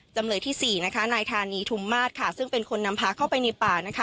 จำเลยที่๔นะคะนายธานีทุมมาศซึ่งเป็นคนนำพาเข้าไปในป่านะคะ